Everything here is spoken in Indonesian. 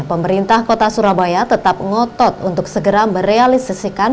pemerintah kota surabaya tetap ngotot untuk segera merealisasikan